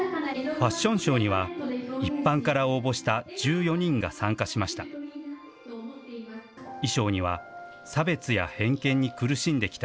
ファッションショーには、一般から応募した１４人が参加しました。